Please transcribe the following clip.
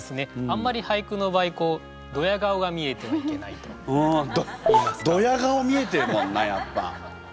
あんまり俳句の場合こうドヤ顔が見えてはいけないと。ドヤ顔見えてるもんなやっぱ。